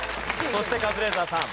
そしてカズレーザーさん。